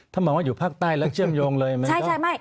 ถ้ามองว่าอยู่ภาคใต้แล้วเชื่อมโยงเลยไหม